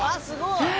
すごい！